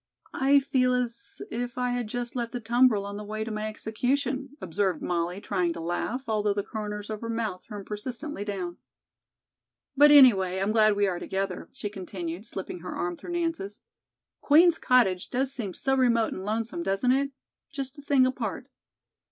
"I feel as if I had just left the tumbrel on the way to my execution," observed Molly, trying to laugh, although the corners of her mouth turned persistently down. "But, anyway, I'm glad we are together," she continued, slipping her arm through Nance's. "Queen's Cottage does seem so remote and lonesome, doesn't it? Just a thing apart."